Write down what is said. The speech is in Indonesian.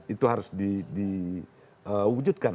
itu harus diwujudkan